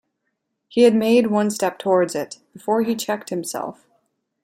He had made one step towards it, before he checked himself.